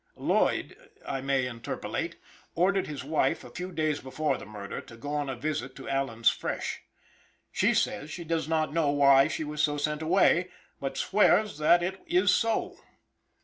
Lloyd, I may interpolate, ordered his wife a few days before the murder to go on a visit to Allen's Fresh. She says she does not know why she was so sent away, but swears that it is so.